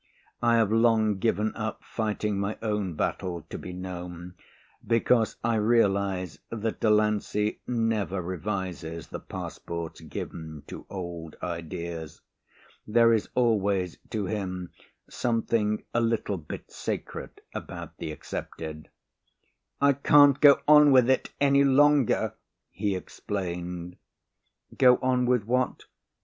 I have long given up fighting my own battle (to be known) because I realise that Delancey never revises the passports given to old ideas. There is always, to him, something a little bit sacred about the accepted. "I can't go on with it any longer," he explained. "Go on with what?"